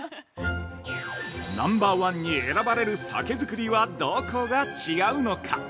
◆ナンバーワンに選ばれる酒造りは、どこが違うのか。